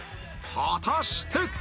果たして？